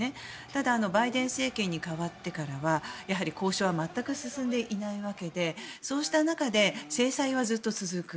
ただバイデン政権に代わってからは交渉は全く進んでいない中でそうした中で制裁はずっと続く。